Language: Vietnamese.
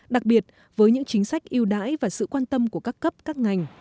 đặc biệt với những chính sách yêu đãi và sự quan tâm của các cấp các ngành